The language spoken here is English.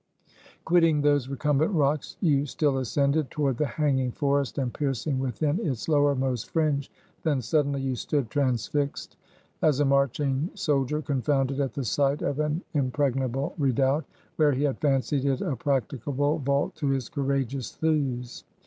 Quitting those recumbent rocks, you still ascended toward the hanging forest, and piercing within its lowermost fringe, then suddenly you stood transfixed, as a marching soldier confounded at the sight of an impregnable redoubt, where he had fancied it a practicable vault to his courageous thews.